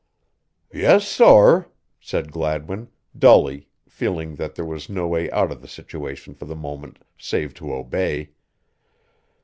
"Yes, sorr," said Gladwin, dully, feeling that there was no way out of the situation for the moment save to obey.